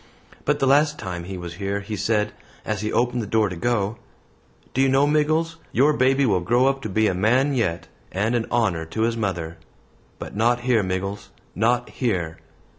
But the last time he was here he said, as he opened the door to go, 'Do you know, Miggles, your baby will grow up to be a man yet and an honor to his mother; but not here, Miggles, not here!'